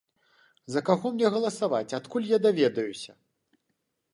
За каго мне галасаваць, адкуль я даведаюся?